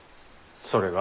それが？